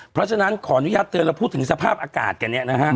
เพราะฉะนั้นขออนุญาตเตือนแล้วพูดถึงสภาพอากาศกันเนี่ยนะฮะ